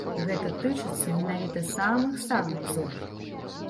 Гэта тычыцца менавіта самых-самых зорак.